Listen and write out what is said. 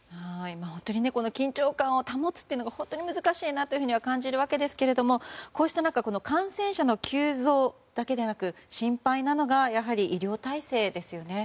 本当に緊張感を保つのが難しいなと感じるわけですが、こうした中感染者の急増だけでなく心配なのがやはり医療体制ですよね。